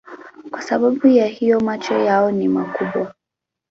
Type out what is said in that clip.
Kwa sababu ya hiyo macho yao ni makubwa.